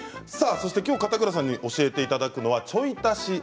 きょう片倉さんに教えていただくのはちょい足し